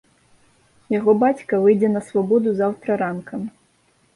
Яго бацька выйдзе на свабоду заўтра ранкам.